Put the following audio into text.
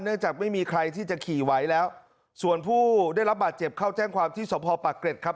จากไม่มีใครที่จะขี่ไหวแล้วส่วนผู้ได้รับบาดเจ็บเข้าแจ้งความที่สพปากเกร็ดครับ